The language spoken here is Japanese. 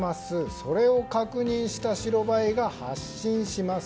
それを確認した白バイが発進します。